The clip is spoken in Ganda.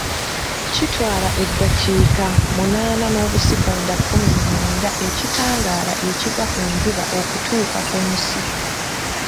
Kitwala eddakiika munaana n'obusikonda kkumi na mwenda ekitangaala ekiva ku njuba okutuuka ku nsi